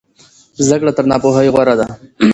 زده کړه تر ناپوهۍ غوره ده.